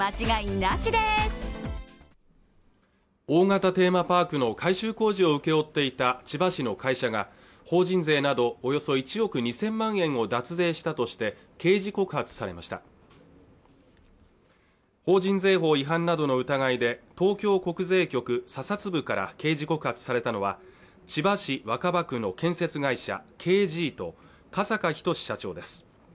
大型テーマパークの改修工事を請け負っていた千葉市の会社が法人税などおよそ１億２０００万円を脱税したとして刑事告発されました法人税法違反などの疑いで東京国税局査察部から刑事告発されたのは千葉市若葉区の建設会社Ｋ．Ｇと加坂斉社長です